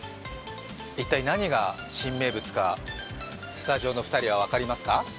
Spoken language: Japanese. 一体何が新名物か、スタジオの２人は分かりますか？